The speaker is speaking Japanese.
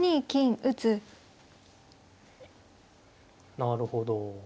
なるほど。